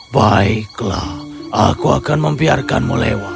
baiklah aku akan membiarkanmu lewat